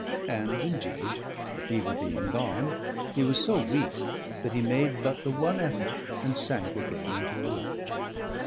And indeed (the fever being gone) he was so weak that he made but the one effort and sank again into a lethargy.